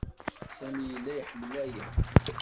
Sami yella iḥemmel-aya.